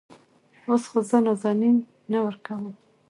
اوس خو زه نازنين نه ورکوم.